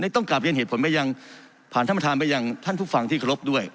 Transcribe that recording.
ต้องการเปลี่ยนเหตุผลไปผ่านท่านประธานไปผมทุกฝั่งที่ครบด้วย